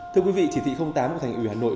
thưa quý vị chỉ thị tám của thành ủy hà nội